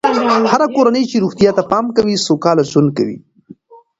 هره کورنۍ چې روغتیا ته پام کوي، سوکاله ژوند کوي.